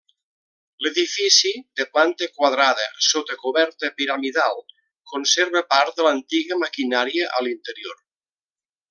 L'edifici, de planta quadrada sota coberta piramidal, conserva part de l'antiga maquinària a l'interior.